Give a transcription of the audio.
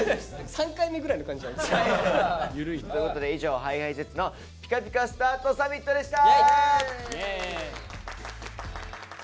３回目ぐらいの感じ。ということで以上「ＨｉＨｉＪｅｔｓのピカピカスタートサミット」でした！